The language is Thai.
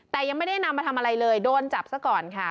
แต่ยังไม่ได้นำมาทำอะไรเลยโดนจับซะก่อนค่ะ